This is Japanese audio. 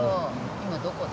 今どこだ？